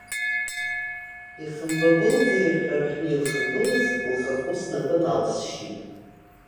Ихымбабылӡа ирҳәы-рҳәны илхагылаз лхахәы снапы налсшьит.